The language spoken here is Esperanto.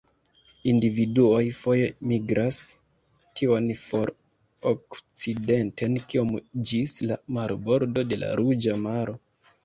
Individuoj foje migras tiom for okcidenten kiom ĝis la marbordo de la Ruĝa Maro.